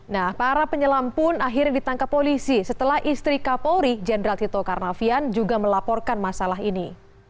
nah para penyelam pun akhirnya ditangkap polisi setelah istri kapolri jenderal tito karnavian juga melaporkan masalah ini